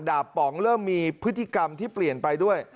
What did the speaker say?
ป๋องเริ่มมีพฤติกรรมที่เปลี่ยนไปด้วย